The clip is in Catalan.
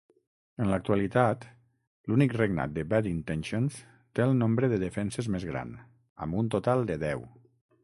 En l'actualitat, l'únic regnat de Bad Intentions té el nombre de defenses més gran, amb un total de deu.